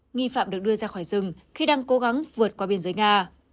nghi phạm được đưa ra khỏi rừng khi đang cố gắng vượt qua biên giới nga